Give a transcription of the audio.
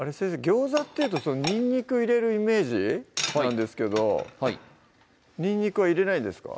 ギョーザっていうとにんにく入れるイメージなんですけどにんにくは入れないんですか？